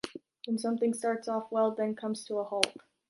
When something starts off well, then comes to a halt.